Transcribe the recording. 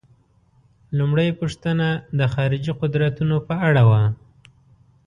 لومړۍ پوښتنه د خارجي قدرتونو په اړه وه.